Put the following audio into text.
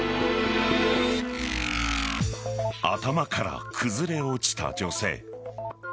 頭から崩れ落ちた女性。